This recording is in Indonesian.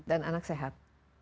dan anak sehat